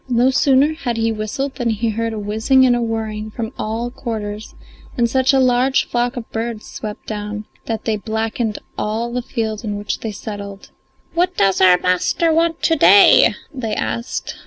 [Illustration: No sooner had he whistled than he heard a whizzing and a whirring from all quarters, and such a large flock of birds swept down that they blackened all the field in which they settled.] "What does our master want to day?" they asked.